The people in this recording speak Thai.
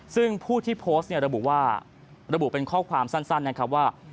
ซึ่งผู้ที่โพสต์ระบุเป็นข้อความสั้นนะครับว่า